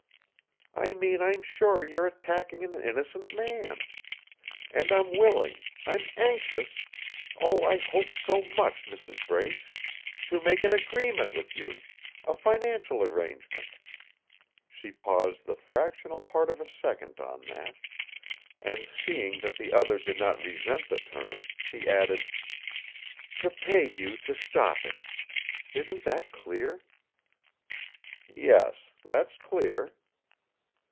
"I mean I'm sure you're attacking an innocent man. And I'm willing, I'm anxious oh, I hope so much, Mrs. Brace to make an agreement with you a financial arrangement " She paused the fractional part of a second on that; and, seeing that the other did not resent the term, she added: "to pay you to stop it. Isn't that clear?" "Yes; that's clear."